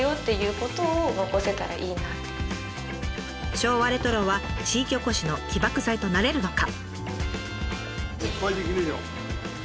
昭和レトロは地域おこしの起爆剤となれるのか？